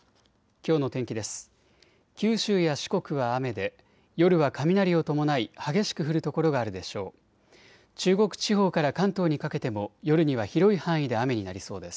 きょうの天気です。